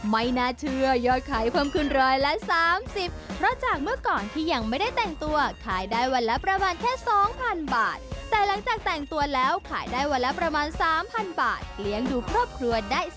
ไม่นาเทือยอดขายเพิ่มขึ้นเลยละ๓๐